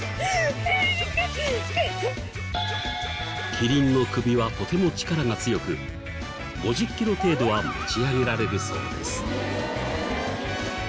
「」「」「」キリンの首はとても力が強く５０キロ程度は持ち上げられるそうです。